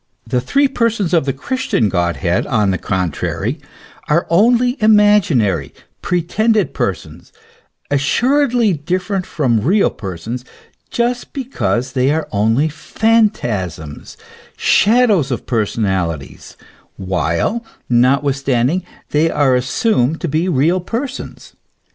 The three Persons of the Christian God head, on the contrary, are only imaginary, pretended persons, assuredly different from real persons, just because they are only phantasms, shadows of personalities, while, notwithstanding, they are assumed to be real persons.